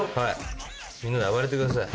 みんなで暴れてください。